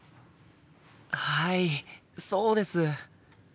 はいそうです。